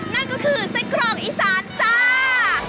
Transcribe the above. นั่นก็คือไส้กรองอีสานจ้า